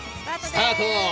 スタート！